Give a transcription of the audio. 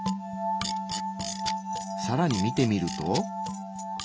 さらに見てみると。